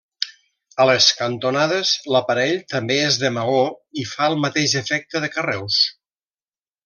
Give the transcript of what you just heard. A les cantonades l'aparell també és de maó i fa el mateix efecte de carreus.